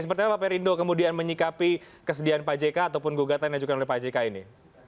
seperti apa perindo kemudian menyikapi kesediaan pak jk ataupun gugatan yang diajukan oleh pak jk ini